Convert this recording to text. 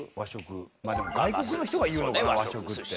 でも外国の人が言うよね和食って。